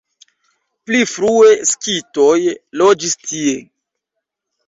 Pli frue skitoj loĝis tie.